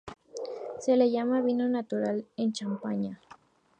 Se les llama vino natural de Champaña.